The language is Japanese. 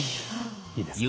いいですか？